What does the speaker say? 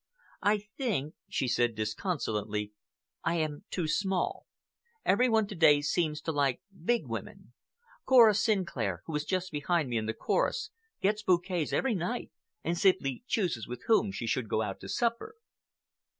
I think," she said, disconsolately, "I am too small. Every one to day seems to like big women. Cora Sinclair, who is just behind me in the chorus, gets bouquets every night, and simply chooses with whom she should go out to supper."